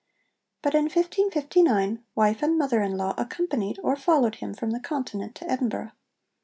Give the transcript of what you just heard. But in 1559 wife and mother in law accompanied or followed him from the Continent to Edinburgh.